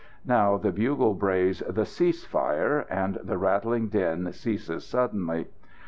Now the bugle brays the "Cease fire," and the rattling din ceases suddenly.